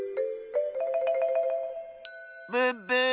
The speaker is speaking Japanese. ブッブー！